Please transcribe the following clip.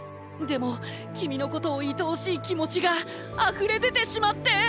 でも君のことをいとおしい気持ちがあふれ出てしまって。